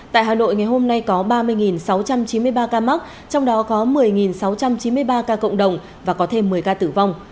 tại hà nội ngày hôm nay có ba mươi sáu trăm chín mươi ba ca mắc trong đó có một mươi sáu trăm chín mươi ba ca cộng đồng và có thêm một mươi ca tử vong